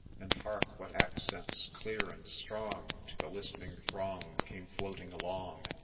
And hark !— what accents clear and strong, To the listening throng came floating along